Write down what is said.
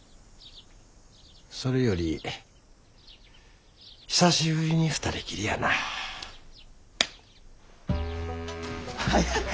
それより久しぶりに２人きりやな。早く！